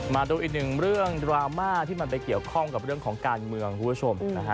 มาดูอีกหนึ่งเรื่องดราม่าที่มันไปเกี่ยวข้องกับเรื่องของการเมืองคุณผู้ชมนะฮะ